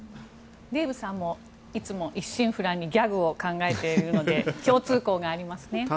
デーブさんもいつも一心不乱にギャグを考えているので共通項がありますね。